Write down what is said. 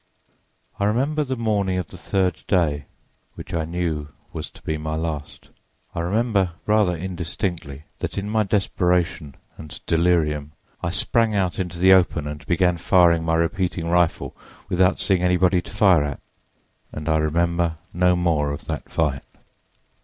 "I remember the morning of the third day, which I knew was to be my last. I remember, rather indistinctly, that in my desperation and delirium I sprang out into the open and began firing my repeating rifle without seeing anybody to fire at. And I remember no more of that fight.